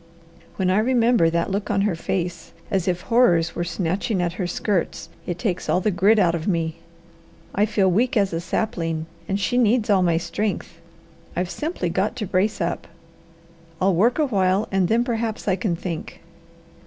When I remember that look on her face, as if horrors were snatching at her skirts, it takes all the grit out of me. I feel weak as a sapling. And she needs all my strength. I've simply got to brace up. I'll work a while and then perhaps I can think."